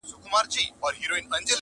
د کلي ژوند ظاهراً روان وي خو دننه مات,